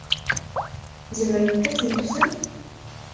Tzemremt ad tneffsemt?